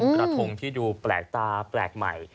กระทงที่ดูแปลกตาแปลกใหม่